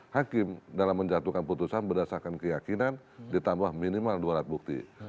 hakim dalam menjatuhkan putusan berdasarkan keyakinan ditambah minimal dua alat bukti